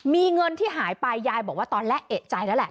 มีเงินที่หายไปยายบอกว่าตอนแรกเอกใจแล้วแหละ